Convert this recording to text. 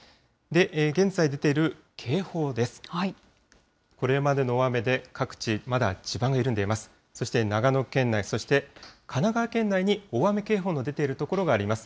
現在出ている警報です。